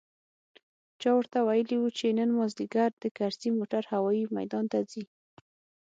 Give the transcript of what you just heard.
چا ورته ويلي و چې نن مازديګر د کرزي موټر هوايي ميدان ته ځي.